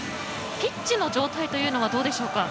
ピッチの状態というのはどうでしょうか？